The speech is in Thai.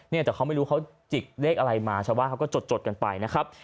เนี่ยแต่เขาไม่รู้เขาจิกเลขอะไรมาชาวบ้านเขาก็จดกันไปนะครับ